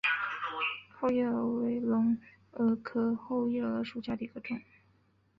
后夜蛾为隆蛾科后夜蛾属下的一个种。